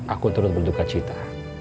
aku terus berduka cita